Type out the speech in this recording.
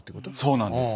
そうなんです。